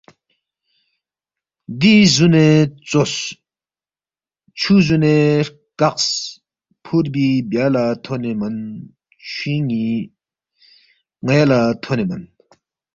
ری زُونے ژوس، چھُو زونے ہرکقس، فُوربی بیہ لہ تھونے من چھُوئِین٘ی ن٘یہ لہ تھونے من،